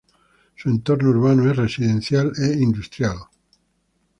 Su entorno urbano es residencial e industrial.